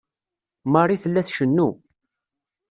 Marie tella tcennu.